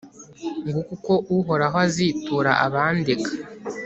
nguko uko uhoraho azitura abandega